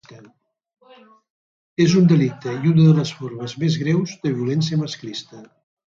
És un delicte i una de les formes més greus de violència masclista.